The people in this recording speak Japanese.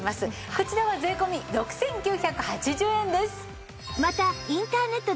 こちらは税込６９８０円です。